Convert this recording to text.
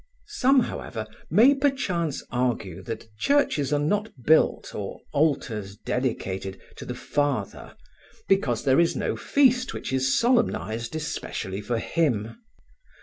Some, however, may perchance argue that churches are not built or altars dedicated to the Father because there is no feast which is solemnized especially for Him.